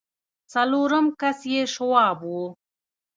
څلورم کس يې شواب و.